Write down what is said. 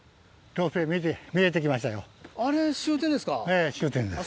ええ終点です。